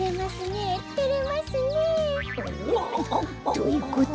どういうこと？